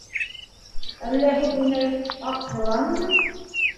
- Әллә һин, инәй, аҡ йыланмы?